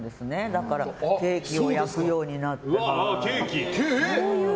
だからケーキを焼くようになったり。